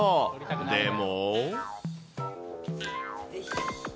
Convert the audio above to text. でも。